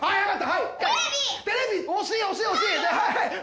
はい！